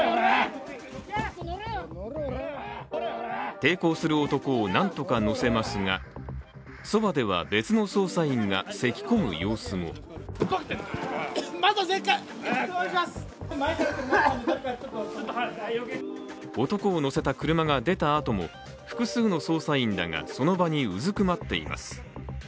抵抗する男をなんとか乗せますがそばでは、別の捜査員がせきこむ様子も男を乗せた車が出たあとも複数の捜査員らがその場にうずくまっています。